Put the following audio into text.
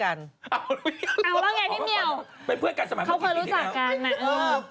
เอาล่ะไงพี่เมียวเค้าเคยรู้จักกันน่ะเออเค้าเคยรู้จักกันน่ะเป็นเพื่อนกันสมัยเมืองปีที่แล้ว